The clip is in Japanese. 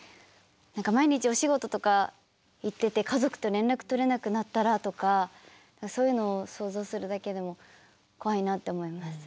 毎日お仕事とか行ってて家族と連絡取れなくなったらとかそういうのを想像するだけでも怖いなって思います。